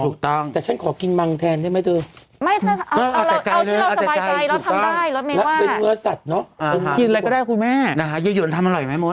วันล้างทองแต่ฉันขอกินมังแทนได้ไหมเธอเอาที่เราสบายใจเราทำได้แล้วไม่ว่ายิ้วหยุ่นทำอร่อยไหมโม๊ต